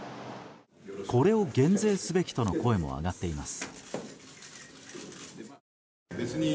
これを減税すべきとの声も上がっています。